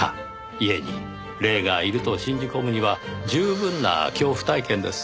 家に霊がいると信じ込むには十分な恐怖体験です。